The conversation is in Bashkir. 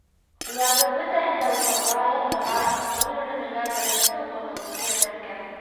Уларҙы бөтәһен дә уҡырға, яҙырға, фекер йөрөтөргә беренсе укытыусы өйрәткән